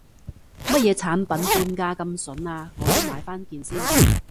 乜嘢產品半價咁筍啊，我都買返件先